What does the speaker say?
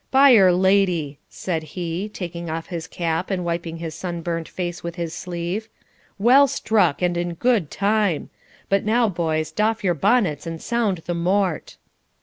'By 'r Lady,' said he, taking off his cap and wiping his sun burnt face with his sleeve, 'well struck, and in good time! But now, boys, doff your bonnets and sound the mort.'